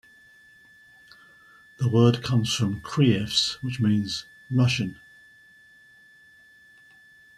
The word comes from "krievs", which means "Russian".